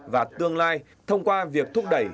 và tương lai thông qua việc thúc đẩy